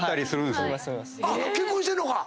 結婚してんのか？